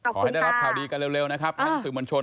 ขอให้ได้รับข่าวดีกันเร็วนะครับทั้งสื่อมวลชน